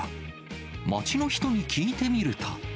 街の人に聞いてみると。